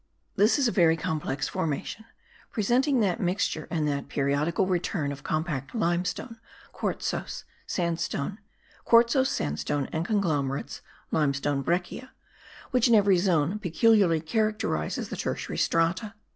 This is a very complex formation, presenting that mixture and that periodical return of compact limestone, quartzose sandstone and conglomerates (limestone breccia) which in every zone peculiarly characterises the tertiary strata.